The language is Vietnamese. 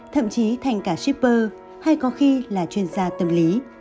thậm chí thành cả shipper hay có khi là chuyên gia tâm lý